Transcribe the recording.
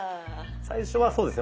最初はそうですね